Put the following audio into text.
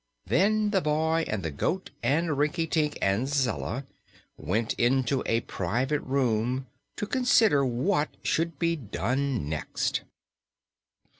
Then the boy and the goat and Rinkitink and Zella went into a private room to consider what should be done next.